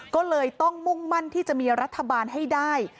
ก็เลยต้องมุ่งมั่นที่จะมีรัฐบาลให้ได้